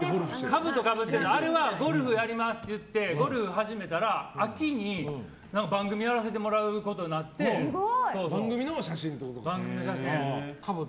かぶとかぶってるのはゴルフやりますって言ってゴルフ始めたら、秋に番組やらせてもらうことになって。番組の写真で。